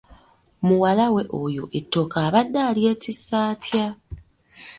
Muwala we oyo ettooke abadde alyetisse atya?